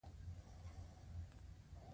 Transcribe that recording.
اور انسانانو ته نوي او ګټور امکانات ورکړل.